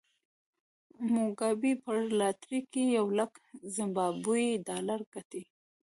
موګابي په لاټرۍ کې یو لک زیمبابويي ډالر ګټي.